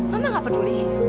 mama gak peduli